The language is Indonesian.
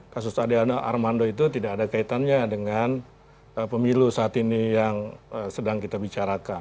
kasus ade armando itu tidak ada kaitannya dengan pemilu saat ini yang sedang kita bicarakan